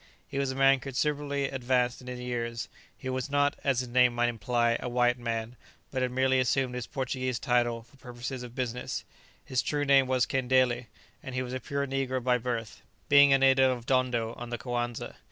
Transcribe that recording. He was a man considerably advanced in years; he was not (as his name might imply) a white man, but had merely assumed his Portuguese title for purposes of business; his true name was Kendélé, and he was a pure negro by birth, being a native of Dondo on the Coanza.